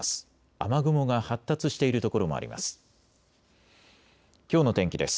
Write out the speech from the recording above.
雨雲が発達している所もあります。